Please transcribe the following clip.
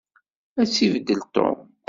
Ad tt-ibeddel Tom.